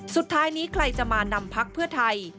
สุดท้ายนี้ใครจะมานำพักเพื่อไทย